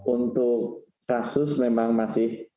untuk kasus memang masih